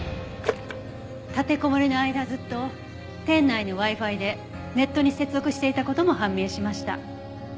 立てこもりの間ずっと店内のＷｉ−Ｆｉでネットに接続していた事も判明しました。